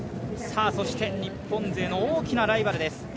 そして日本勢の大きなライバルです